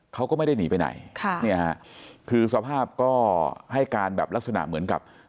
เขาก็ไม่ได้หนีไปไหนค่ะเนี่ยฮะคือสภาพก็ให้การแบบลักษณะเหมือนกับ